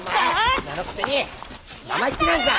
お前女のくせに生意気なんじゃ！